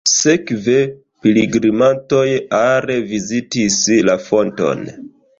Sekve pilgrimantoj are vizitis la fonton.